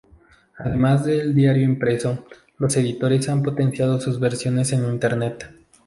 Además del diario impreso, los editores han potenciado sus versiones en Internet.